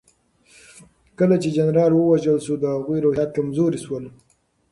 کله چې جنرال ووژل شو د هغوی روحيات کمزوري شول.